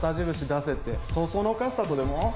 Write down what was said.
出せってそそのかしたとでも？